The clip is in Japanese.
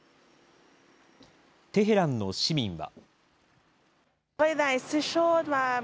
テヘランの市民は。